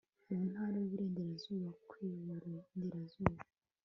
muntara yuburengerazuba bwiburengerazuba